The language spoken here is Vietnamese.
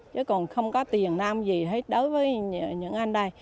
chứ còn không có tiền nam gì hết đối với những anh đây